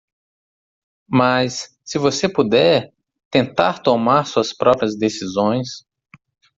Mas? se você puder? tentar tomar suas próprias decisões.